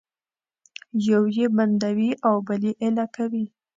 یو یې بندوي او بل یې ایله کوي